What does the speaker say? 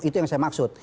itu yang saya maksud